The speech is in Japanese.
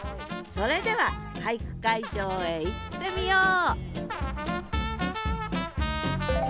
それでは俳句会場へ行ってみよう！